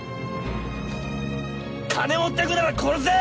金持ってくなら殺せ！